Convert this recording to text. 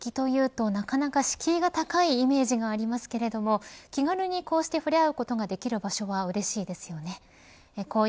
楽器と言うとなかなか敷居が高いイメージがありますが気軽に触れ合うことができる場所はうれしいですよね。